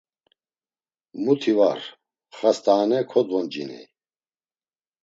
Muti var, xast̆aane kodvonciney.